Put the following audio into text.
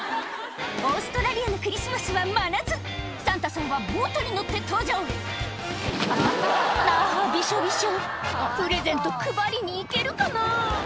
オーストラリアのクリスマスは真夏サンタさんはボートに乗って登場あびしょびしょプレゼント配りに行けるかな？